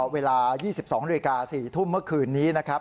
เวลา๒๒น๔ทุมเมื่อคืนนี้นะครับ